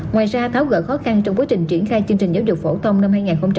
ngoài ra tháo gỡ khó khăn trong quá trình triển khai chương trình giáo dục phổ thông năm hai nghìn hai mươi